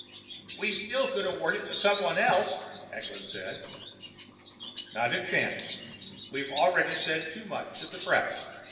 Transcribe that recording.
"We still could award it to someone else," Eklund said. "Not a chance. We've already said too much to the press.